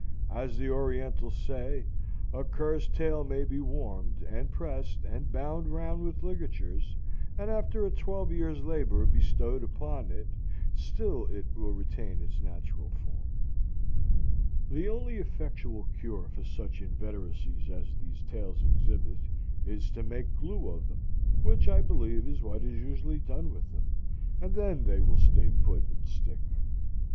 As the Orientals say, "A cur's tail may be warmed, and pressed, and bound round with ligatures, and after a twelve years' labor bestowed upon it, still it will retain its natural form." The only effectual cure for such inveteracies as these tails exhibit is to make glue of them, which I believe is what is usually done with them, and then they will stay put and stick.